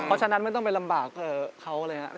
เพราะฉะนั้นไม่ต้องไปลำบากเขาเลยครับ